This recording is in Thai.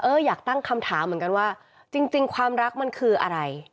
อยากตั้งคำถามเหมือนกันว่าจริงความรักมันคืออะไร